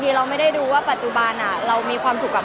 มันเป็นเรื่องน่ารักที่เวลาเจอกันเราต้องแซวอะไรอย่างเงี้ย